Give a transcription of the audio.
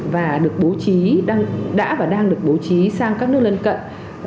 và được bố trí đã và đang được bố trí sang các nước lân cận